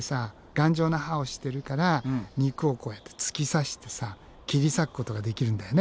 頑丈な歯をしてるから肉をこうやって突き刺してさ切り裂くことができるんだよね。